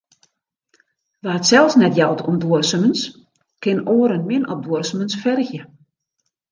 Wa't sels net jout om duorsumens, kin oaren min op duorsumens fergje.